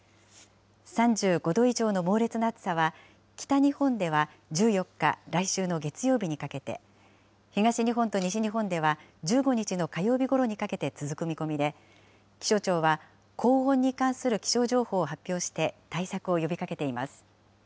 ３５度以上の猛烈な暑さは、北日本では１４日、来週の月曜日にかけて、東日本と西日本では１５日の火曜日ごろにかけて続く見込みで、気象庁は高温に関する気象情報を発表して、対策を呼びかけています。